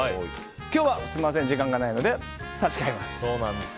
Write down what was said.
今日は時間がないので差し替えます。